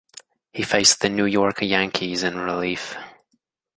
He faced the New York Yankees in relief.